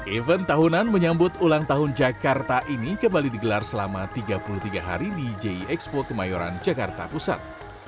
event tahunan menyambut ulang tahun jakarta ini kembali digelar selama tiga puluh tiga hari di jie expo kemayoran jakarta pusat